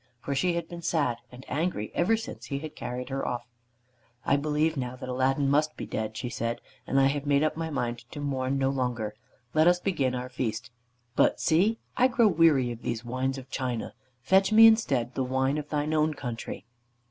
For she had been sad and angry ever since he had carried her off. "I believe now that Aladdin must be dead," she said, "and I have made up my mind to mourn no longer. Let us begin our feast. But see! I grow weary of these wines of China, fetch me instead the wine of thy own country."